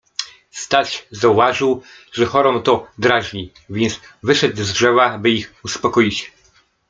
Staś zauważył, że chorą to drażni, więc wyszedł z drzewa, by ich uspokoić.